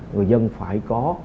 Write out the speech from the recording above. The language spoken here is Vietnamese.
người dân phải có